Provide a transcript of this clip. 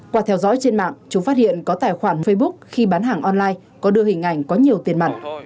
qua theo dõi trên mạng chúng phát hiện có tài khoản facebook khi bán hàng online có đưa hình ảnh có nhiều tiền mặt